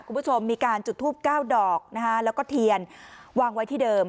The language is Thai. คุณผู้ชมมีการจุดทูป๙ดอกนะฮะแล้วก็เทียนวางไว้ที่เดิม